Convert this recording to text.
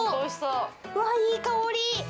うわいい香り！